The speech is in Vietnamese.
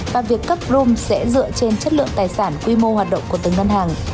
và việc cấp drome sẽ dựa trên chất lượng tài sản quy mô hoạt động của từng ngân hàng